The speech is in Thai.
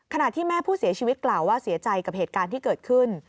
ขณะที่แม่ผู้เสียชีวิตกล่าวว่าเสียใจกับเหตุการณ์ที่เกิดขึ้น